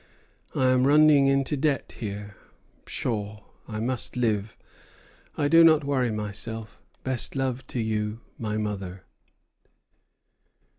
I am running into debt here. Pshaw! I must live. I do not worry myself. Best love to you, my mother."